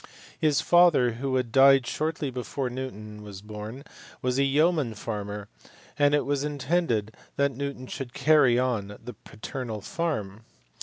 His father, who had died shortly before Newton was born, was a yeoman farmer, and it was intended that Newton should carry on the paternal farm.